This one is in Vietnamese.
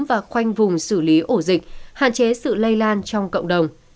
và khoanh vùng xử lý ổ dịch hạn chế sự lây lan trong cộng đồng